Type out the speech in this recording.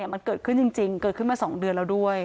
มันเกิดขึ้นจริงเกิดขึ้นมา๒เดือนแล้วด้วย